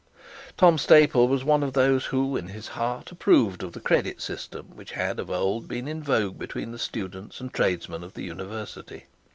Tom Staple was one of those who in his heart approved of the credit system which had of old been in vogue between the students and tradesmen of the University.